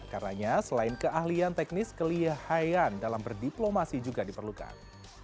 karena selain keahlian teknis kelihayan dalam berdiplomasi juga diperlukan